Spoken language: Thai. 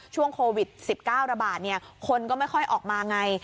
ช่วงโควิด๑๙ระบาดคนก็ไม่ค่อยออกมาไง